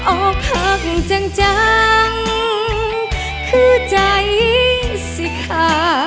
ออกพักจังคือใจสิคะ